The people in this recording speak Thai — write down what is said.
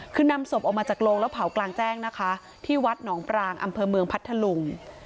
คือนำศพออกมาจากโรงแล้วเผากลางแจ้งนะคะที่วัดหนองปรางอำเภอเมืองพัทธลุง